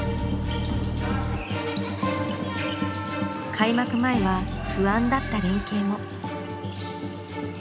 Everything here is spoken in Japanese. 開幕前は不安だった連係も。